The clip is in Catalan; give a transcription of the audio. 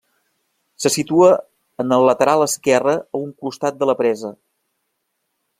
Se situa en el lateral esquerre a un costat de la presa.